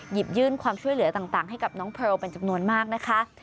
หยิบยื่นความช่วยเหลือต่างให้กับน้องแพลวเป็นจำนวนมากนะคะ